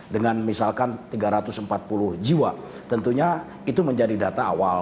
dengan misalkan tiga ratus empat puluh jiwa tentunya itu menjadi data awal